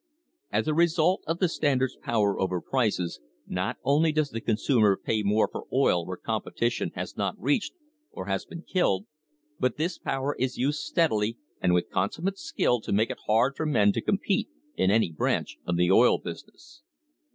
As a result of the Standard's power over prices, not only does the consumer pay more for oil where competition has not reached or has been killed, but this power is used steadily and with consummate skill to make it hard for men to com pete in any branch of the oil business.